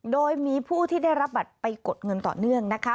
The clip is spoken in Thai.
โดยมีผู้ที่ได้รับบัตรไปกดเงินต่อเนื่องนะคะ